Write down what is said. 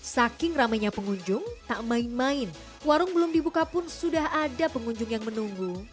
saking ramainya pengunjung tak main main warung belum dibuka pun sudah ada pengunjung yang menunggu